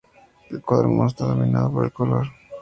El cuadro está dominado por el color.